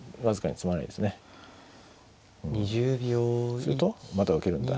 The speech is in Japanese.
するとまだ受けるんだ